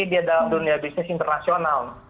dia dalam dunia bisnis internasional